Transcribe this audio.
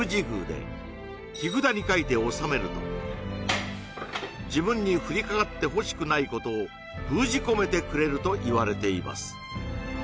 宮で木札に書いて納めると自分に降りかかってほしくないことを封じ込めてくれるといわれています